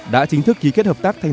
đã chính thức ký kết hợp tác